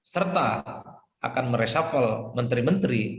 serta akan meresafel menteri menteri